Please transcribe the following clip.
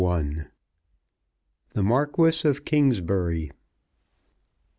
THE MARQUIS OF KINGSBURY.